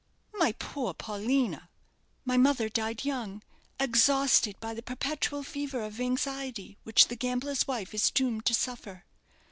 "My poor Paulina!" "My mother died young, exhausted by the perpetual fever of anxiety which the gambler's wife is doomed to suffer.